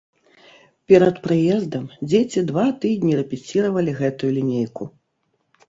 Перад прыездам дзеці два тыдні рэпеціравалі гэтую лінейку.